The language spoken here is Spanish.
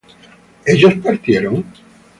¿ellos partieron?